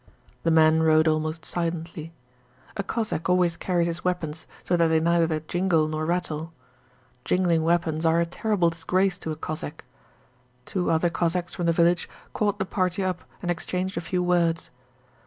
The men rode almost silently. A Cossack always carries his weapons so that they neither jingle nor rattle. Jingling weapons are a terrible disgrace to a Cossack. Two other Cossacks from the village caught the party up and exchanged a few words.